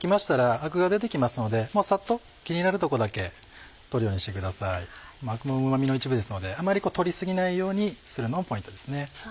アクもうま味の一部ですのであまり取り過ぎないようにするのがポイントですね。